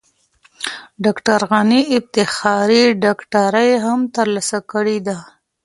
ډاکټر غني افتخاري ډاکټرۍ هم ترلاسه کړې دي.